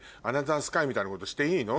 みたいなことしていいの？